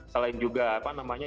selain juga apa namanya